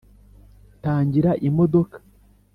tangira imodoka.